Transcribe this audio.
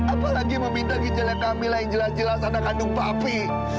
apalagi meminta ginjalnya kamila yang jelas jelas anak kandung papi